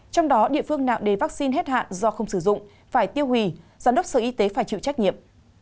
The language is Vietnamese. trong đó địa phương nào để vaccine hết hạn do không sử dụng phải tiêu hủy giám đốc sở y tế phải chịu trách nhiệm